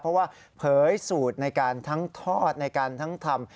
เพราะว่าเผยสูตรในการทั้งทอดในการทั้งทำ